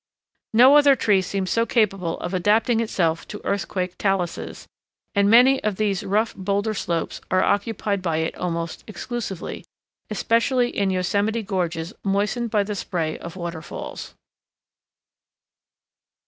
No other tree seems so capable of adapting itself to earthquake taluses, and many of these rough boulder slopes are occupied by it almost exclusively, especially in yosemite gorges moistened by the spray of waterfalls.